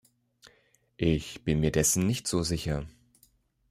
Ich bin mir dessen nicht so sicher.